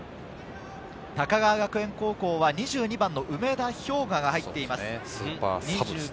高川学園高校は２２番の梅田彪翔が入っています。